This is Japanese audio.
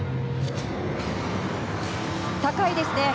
高いですね。